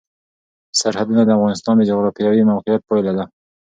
سرحدونه د افغانستان د جغرافیایي موقیعت پایله ده.